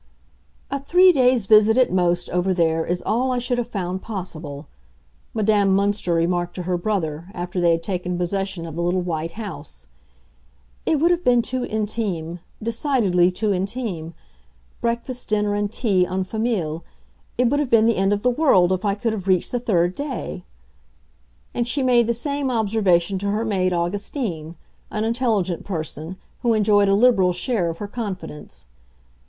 "A three days' visit at most, over there, is all I should have found possible," Madame Münster remarked to her brother, after they had taken possession of the little white house. "It would have been too intime—decidedly too intime. Breakfast, dinner, and tea en famille—it would have been the end of the world if I could have reached the third day." And she made the same observation to her maid Augustine, an intelligent person, who enjoyed a liberal share of her confidence.